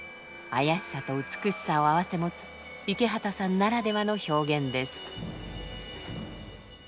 妖しさと美しさを併せ持つ池畑さんならではの表現です。